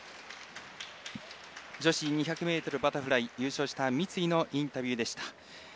女子２００ｍバタフライ優勝した三井のインタビューでした。